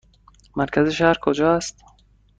مرکز شهر کجا است؟